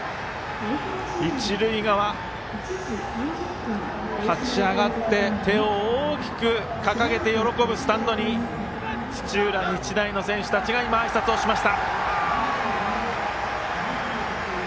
一塁側、立ち上がって手を大きく掲げて喜ぶスタンドに土浦日大の選手たちがあいさつをしました。